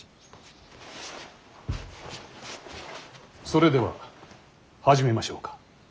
それでは始めましょうか。